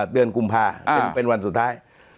เดือนกุมภาเป็นวันสุดท้าย